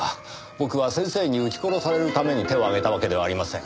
僕は先生に撃ち殺されるために手を挙げたわけではありません。